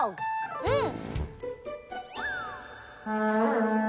うん！